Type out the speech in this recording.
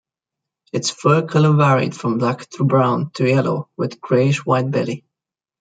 Its fur color varied from black through brown to yellow with a grayish-white belly.